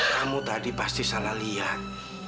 kamu tadi pasti salah lihat